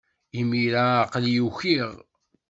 Imir-a, aql-iyi ukiɣ.